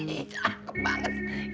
ih cakep banget